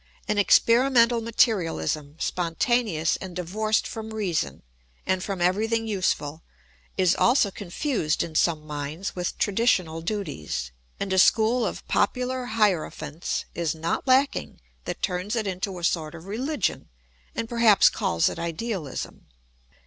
An experimental materialism, spontaneous and divorced from reason and from everything useful, is also confused in some minds with traditional duties; and a school of popular hierophants is not lacking that turns it into a sort of religion and perhaps calls it idealism.